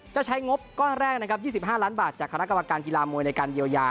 จะใช้งบก้อนแรกนะครับ๒๕ล้านบาทจากคณะกรรมการกีฬามวยในการเยียวยา